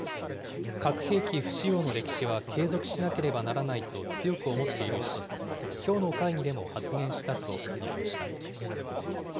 核兵器不使用の歴史は継続しなければならないと強く思っているし、きょうの会議でも発言したと述べ